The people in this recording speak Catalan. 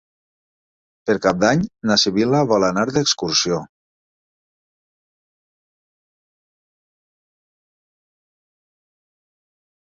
Per Cap d'Any na Sibil·la vol anar d'excursió.